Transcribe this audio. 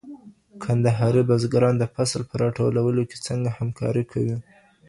کندهاري بزګران د فصل په راټولولو کي څنګه همکاري کوي؟